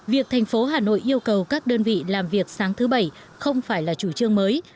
việc thành phố hà nội yêu cầu các đơn vị làm việc sáng thứ bảy không phải là chủ trương mới